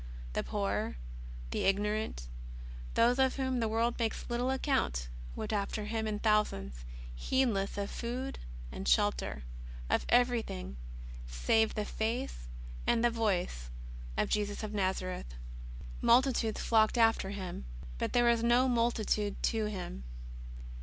The poor, the ignorant, those of whom the world makes little account, w^ent after Him in thousands, heedless of food and shel ter, of everything — save the Face and the Voice of Jesus of Xazareth. Multitudes flocked after Him. But there was no multitude to Him.